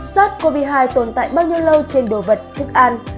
sars cov hai tồn tại bao nhiêu lâu trên đồ vật thức an